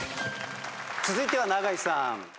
続いては永井さん。